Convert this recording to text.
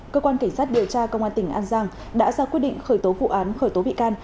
cơ quan cảnh sát điều tra công an tỉnh an giang đã ra quyết định khởi tố vụ án khởi tố bị can